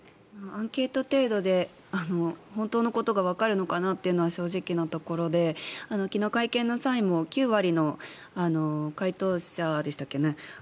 アンケート程度で本当のことがわかるのかなというのは正直なところで昨日、会見の際にも９割の回答者でしたっけ